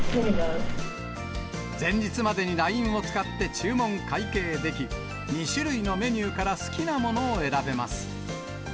前日までにＬＩＮＥを使って注文、会計でき、２種類のメニューから好きなものを選べます。